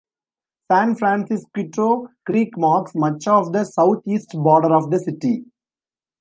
San Francisquito Creek marks much of the southeast border of the city.